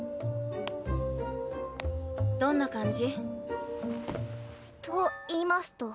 どんな感じ？といいますと？